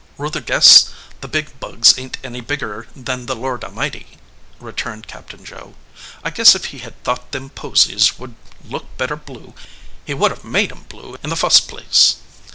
"Ruther guess the big bugs ain t any bigger than the Lord A mighty," returned Captain Joe. "I guess if He had thought them posies would look better blue He would have made em blue in the fust place."